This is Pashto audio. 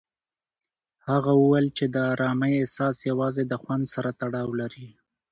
هغه وویل چې د ارامۍ احساس یوازې د خوند سره تړاو لري.